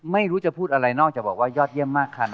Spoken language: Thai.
ไม่รู้จะพูดอะไรนอกจากบอกว่ายอดเยี่ยมมากค่ะ